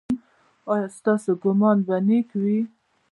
ایا ستاسو ګمان به نیک وي؟